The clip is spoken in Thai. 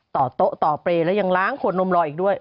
โต๊ะต่อเปรย์และยังล้างขวดนมลอยอีกด้วย